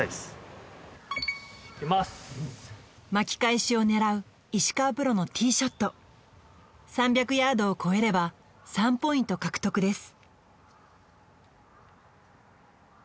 巻き返しを狙う石川プロのティーショット３００ヤードをこえれば３ポイント獲得です